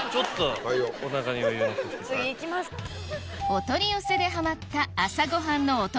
お取り寄せでハマった朝ご飯のお供